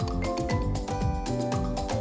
masukkan adonan tepung